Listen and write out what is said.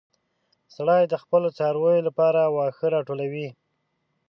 سړی د خپلو څارويو لپاره واښه راټولول.